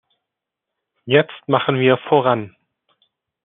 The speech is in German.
Jetzt machen wir voran.